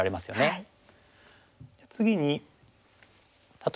はい。